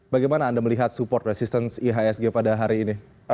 bagaimana anda melihat support resistance ihsg pada hari ini